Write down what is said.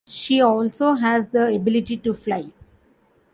She also has the ability to fly.